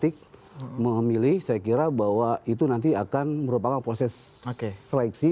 ketika memilih saya kira bahwa itu nanti akan merupakan proses seleksi